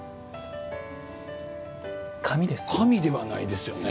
紙ではないですよね。